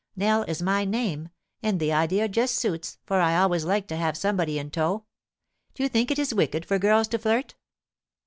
Nell is my name ; and the idea just suits, for I always like to have somebody in tow. Do you think it is wicked for girls to flirt